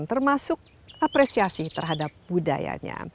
termasuk apresiasi terhadap budayanya